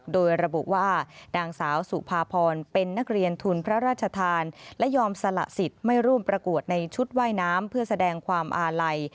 โดยระบุว่านางสาวสุภาพรเป็นนักเรียนทุนพระราชทานและยอมสละสิทธิ์ไม่ร่วมประกวดในชุดว่ายน้ำเพื่อแสดงความอาลัย